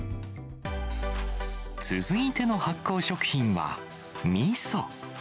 続いての発酵食品は、みそ。